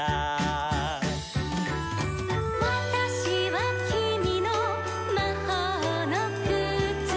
「『わたしはきみのまほうのくつ』」